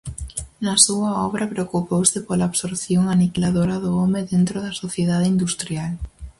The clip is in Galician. Na súa obra preocupouse pola absorción aniquiladora do home dentro da sociedade industrial.